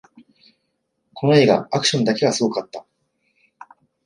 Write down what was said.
この映画、アクションだけはすごかった